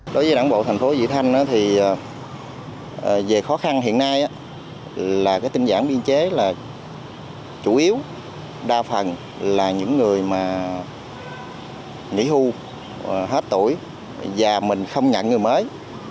đối với đảng bộ thành phố vị thanh về khó khăn hiện nay tinh giản biên chế là chủ yếu đa phần là những người nghỉ hưu hết tuổi già mình không nhận người mới